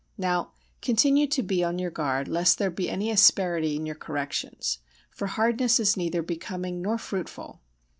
Now continue to be on your guard lest there be any asperity in your corrections, for hardness is neither becoming nor fruitful.